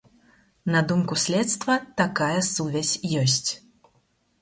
На думку следства, такая сувязь ёсць.